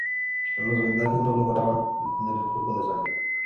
Los vendajes no lograban detener el flujo de sangre.